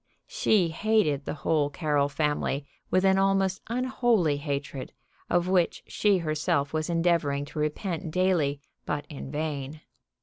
She hated the whole Carroll family with an almost unholy hatred, of which she herself was endeavoring to repent daily, but in vain.